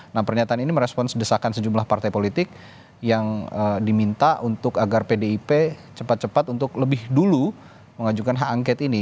nah pernyataan ini merespons desakan sejumlah partai politik yang diminta agar pdip cepat cepat untuk lebih dulu mengajukan hak angket ini